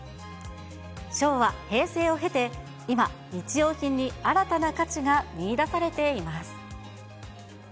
昭和、平成を経て、今、日用品に新たな価値が見出されています。